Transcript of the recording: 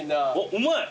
うまい。